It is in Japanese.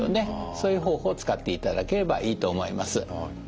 そういう方法を使っていただければいいと思います。